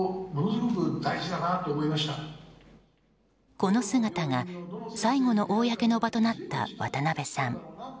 この姿が最後の公の場となった渡辺さん。